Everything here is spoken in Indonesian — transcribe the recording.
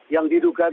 yang diduga di